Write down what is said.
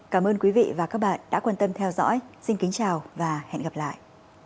cảm ơn quý vị và các bạn đã quan tâm theo dõi xin kính chào và hẹn gặp lại